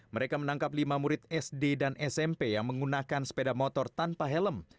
mereka menangkap lima murid sd dan smp yang menggunakan sepeda motor tanpa helm